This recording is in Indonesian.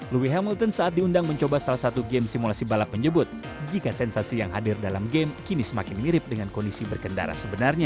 louis hamilton saat diundang mencoba salah satu game simulasi balap menyebut jika sensasi yang hadir dalam game kini semakin mirip dengan kondisi berkendara sebenarnya